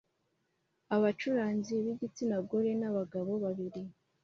Abacuranzi b'igitsina gore n'abagabo babiri